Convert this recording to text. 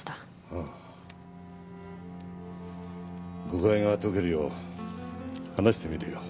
誤解が解けるよう話してみるよ。